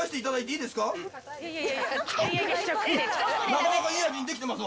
うん、なかなかいい味に出来てますわ。